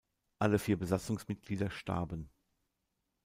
Alle vier Besatzungsmitglieder starben.